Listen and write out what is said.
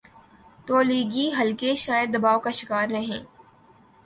تولیگی حلقے شدید دباؤ کا شکارہیں۔